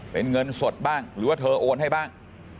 เป็นเงินสดบ้างหรือว่าเธอโอนให้บ้าง